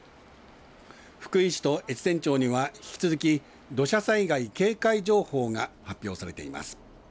福井市と越前町には引き続き土砂災害警戒情報が発表されています。